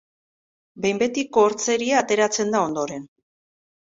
Behin betiko hortzeria ateratzen da ondoren.